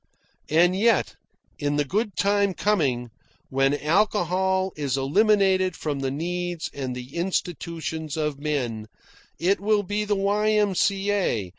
And yet, in the good time coming when alcohol is eliminated from the needs and the institutions of men, it will be the Y.M.C.A.